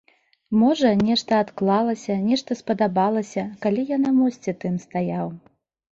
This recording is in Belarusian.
Можа, нешта адклалася, нешта спадабалася, калі я на мосце тым стаяў.